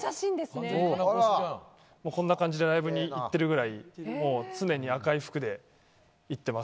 こんな感じでライブに行ってるぐらい常に赤い服で行ってます。